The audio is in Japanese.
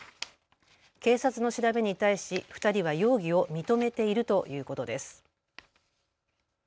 警察の調べに対し２人は容疑を認めているということです。